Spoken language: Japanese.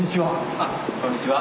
あっこんにちは。